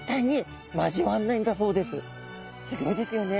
すギョいですよね。